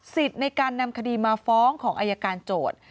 ในการนำคดีมาฟ้องของอายการโจทย์